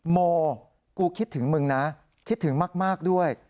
โมกูคิดถึงมึงนะคิดถึงมากด้วย